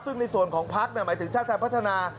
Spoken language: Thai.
ซึ่งในส่วนของพักหมายถึงชาติไทยพัฒนา